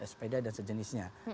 dan sepeda dan sejenisnya